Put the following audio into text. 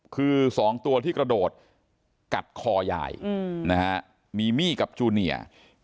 คือ๒ตัวที่กระโดดกัดคอยายมีมี่กับจูเนีย